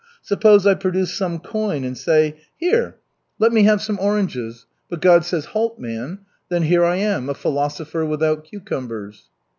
Suppose I produce some coin and say, 'Here, let me have some oranges,' but God says, 'Halt, man!' Then here I am, a philosopher without cucumbers."